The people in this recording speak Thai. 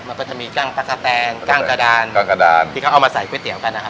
มันก็จะมีจ้างตั๊กกะแตนจ้างกระดานจ้างกระดานที่เขาเอามาใส่ก๋วยเตี๋ยวกันนะครับ